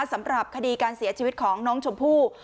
สำหรับคดีการเสียชีวิตของน้องชมพู่